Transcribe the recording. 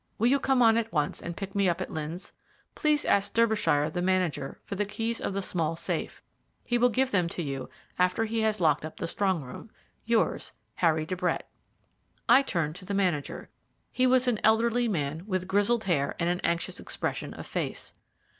Will you come on at once and pick me up at Lynn's? Please ask Derbyshire, the manager, for the keys of the small safe. He will give them to you after he has locked up the strong room. "Yours, "HARRY DE BRETT." I turned to the manager. He was an elderly man, with grizzled hair and an anxious expression of face.